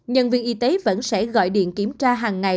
nhân viên y tế vẫn sẽ gọi điện kiểm tra hàng ngày